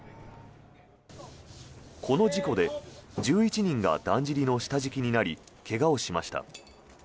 この事故で１１人がだんじりの下敷きになり怪我をしました。